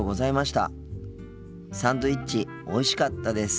サンドイッチおいしかったです。